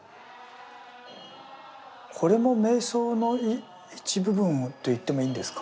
これも瞑想の一部分といってもいいんですか？